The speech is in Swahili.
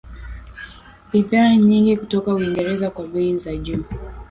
bidhaa nyingi kutoka Uingereza kwa bei za juu